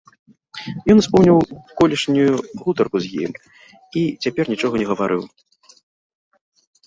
Ён успомніў колішнюю гутарку з ім і цяпер нічога не гаварыў.